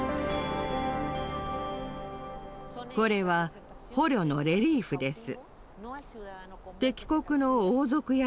これは捕虜のレリーフです。